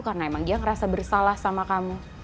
karena emang dia ngerasa bersalah sama kamu